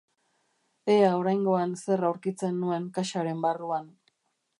Ea oraingoan zer aurkitzen nuen kaxaren barruan.